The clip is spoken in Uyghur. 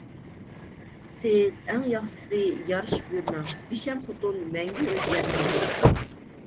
سىز ئەڭ ياخشىسى يارىشىپ يۈرمەڭ، بىشەم خوتۇن مەڭگۈ ئۆزگەرمەيدۇ.